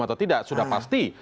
atau tidak sudah pasti